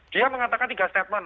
dia mengatakan tiga statement